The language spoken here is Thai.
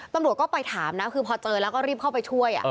ตำรวจก็ไปถามนะคือพอเจอแล้วก็รีบเข้าไปช่วย